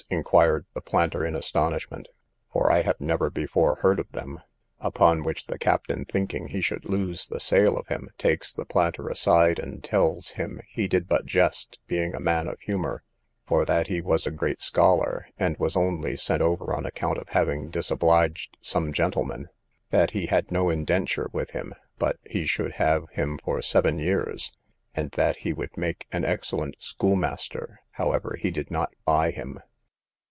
inquired the planter in astonishment; for I have never before heard of them: upon which the captain thinking he should lose the sale of him, takes the planter aside, and tells him he did but jest, being a man of humour, for that he was a great scholar, and was only sent over on account of having disobliged some gentlemen; that he had no indenture with him, but he should have him for seven years, and that he would make an excellent school master; however, he did not buy him.